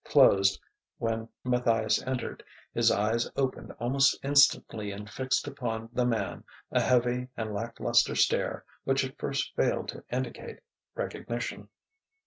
Closed when Matthias entered, his eyes opened almost instantly and fixed upon the man a heavy and lacklustre stare which at first failed to indicate recognition.